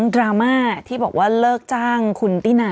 ดราม่าที่บอกว่าเลิกจ้างคุณตินา